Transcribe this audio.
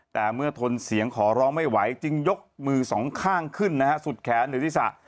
แต่เมื่อทนเสียงขอร้องไม่ไหวจึงยกมือสองข้างขึ้นนะฮะสุดแขนหรือศีรษะ